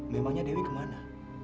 memangnya dewi kemana